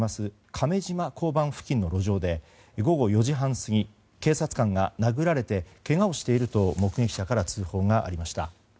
亀島交番付近の路上で午後４時半過ぎ警察官が殴られてけがをしていると目撃者から通報がありました。